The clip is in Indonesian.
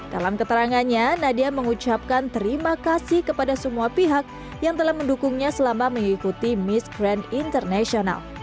dalam keterangannya nadia mengucapkan terima kasih kepada semua pihak yang telah mendukungnya selama mengikuti miss grand international